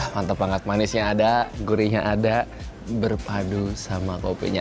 mantap banget manisnya ada gurinya ada berpadu sama kopinya